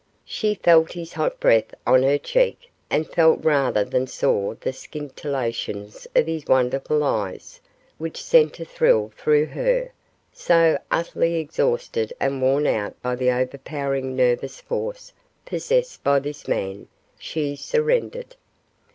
She felt his hot breath on her cheek, and felt rather than saw the scintillations of his wonderful eyes, which sent a thrill through her; so, utterly exhausted and worn out by the overpowering nervous force possessed by this man, she surrendered.